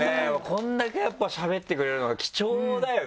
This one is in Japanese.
こんだけしゃべってくれるのは貴重だよね！